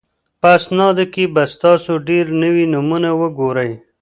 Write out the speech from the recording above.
په اسنادو کې به تاسو ډېر نوي نومونه وګورئ